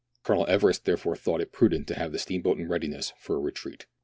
Colonel Everest therefore thought it prudent to have the steamboat in readiness for a retreat.